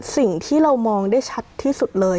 สิ่งที่เรามองได้ชัดที่สุดเลย